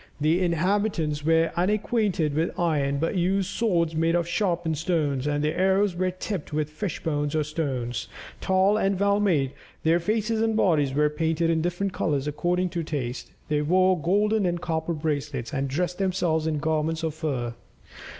The inhabitants were unacquainted with iron, but used swords made of sharpened stones, and their arrows were tipped with fish bones or stones. Tall and well made, their faces and bodies were painted in different colours according to taste, they wore golden and copper bracelets, and dressed themselves in garments of fur.